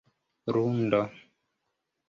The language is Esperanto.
lundo